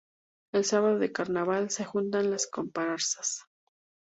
El sábado de carnaval se juntan las comparsas.